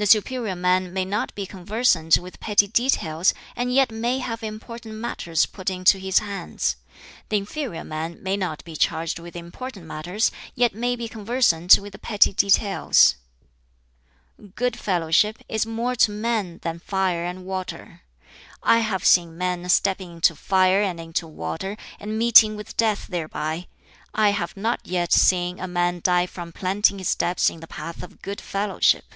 "The superior man may not be conversant with petty details, and yet may have important matters put into his hands. The inferior man may not be charged with important matters, yet may be conversant with the petty details. "Good fellowship is more to men than fire and water. I have seen men stepping into fire and into water, and meeting with death thereby; I have not yet seen a man die from planting his steps in the path of good fellowship.